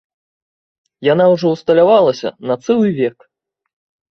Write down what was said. Яна ўжо ўсталявалася на цэлы век.